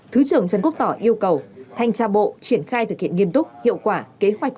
thứ trưởng trần quốc tỏ yêu cầu thanh tra bộ triển khai thực hiện nghiêm túc hiệu quả kế hoạch